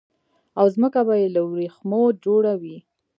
او ځمکه به يي له وريښمو جوړه وي